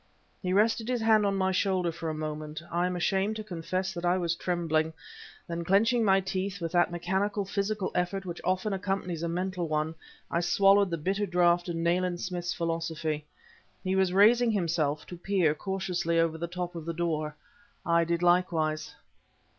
He rested his hand on my shoulder for a moment; I am ashamed to confess that I was trembling; then, clenching my teeth with that mechanical physical effort which often accompanies a mental one, I swallowed the bitter draught of Nayland Smith's philosophy. He was raising himself, to peer, cautiously, over the top of the door. I did likewise.